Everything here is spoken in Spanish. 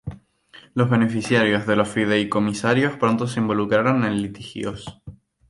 Los beneficiarios de los fideicomisarios pronto se involucraron en litigios.